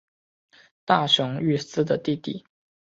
大熊裕司的弟弟。